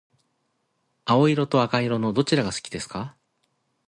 青色と赤色のどちらが好きですか？